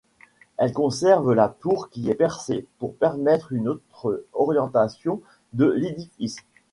Elle conserve la tour qui est percée pour permettre une autre orientation de l'édifice.